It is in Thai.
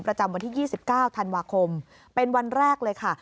ประจำวันที่๒๙ธันวาคมเป็นวันแรกเลยค่ะ